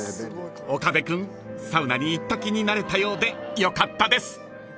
［岡部君サウナに行った気になれたようでよかったです］